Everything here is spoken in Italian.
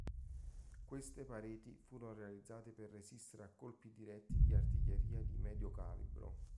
Queste pareti furono realizzate per resistere a colpi diretti di artiglieria di medio calibro.